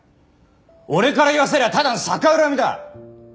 俺から言わせりゃただの逆恨みだ！